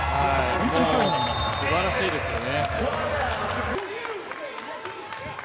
素晴らしいですよね。